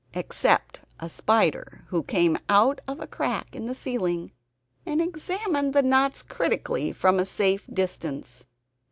Except a spider who came out of a crack in the ceiling and examined the knots critically, from a safe distance.